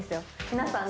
皆さん。